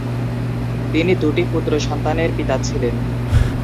তিনি দুটি পুত্র সন্তানের পিতা ছিলেন।